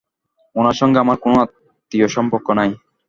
ওনার সঙ্গে আমার কোনো আত্মীয়সম্পর্ক নাই।